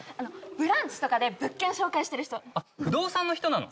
「ブランチ」とかで物件紹介してる人不動産の人なの？